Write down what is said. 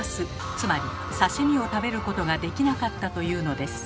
つまり刺身を食べることができなかったというのです。